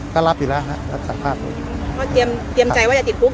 โปรดติดตามตอนต่อไป